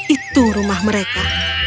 itu rumah mereka